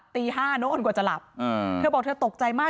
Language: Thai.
ตี๕น้องอนกว่าจะหลับเธอบอกเธอตกใจมาก